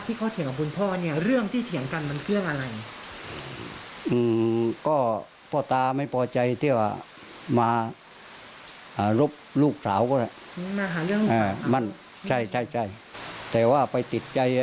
ที่เขาเถียงกับคุณพ่อเนี่ย